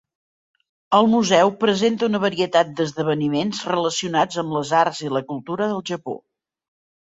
El museu presenta una varietat d'esdeveniments relacionats amb les arts i la cultura del Japó.